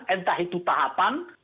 entah itu tahapan